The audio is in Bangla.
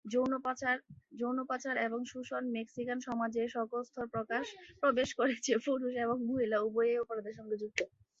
যৌন পাচার এবং শোষণ মেক্সিকান সমাজের সকল স্তরে প্রবেশ করেছে, পুরুষ এবং মহিলা উভয়েই এই অপরাধের সঙ্গে যুক্ত।